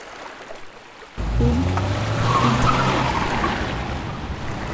Bund, intoniert.